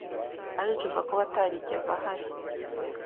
Aricuza kuba atarigeze ahari.